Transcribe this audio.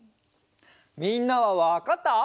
みんなはわかった？